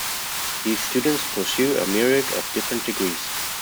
These students pursue a myriad of different degrees.